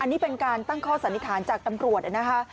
อันนี้เป็นการตั้งข้อสันนิษฐานจากตำรวจนะคะ